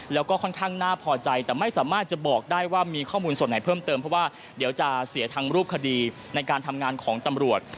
แล้วก็ค่อนข้างน่าพอใจแต่ไม่สามารถจะบอกได้ว่ามีข้อมูลส่วนไหนเพิ่มเติมเพราะว่าเดี๋ยวจะเสียทางรูปคดีในการทำงานของตำรวจ